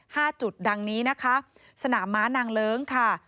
จุดดังนี้นะคะสนามม้านางเลิ้งค่ะ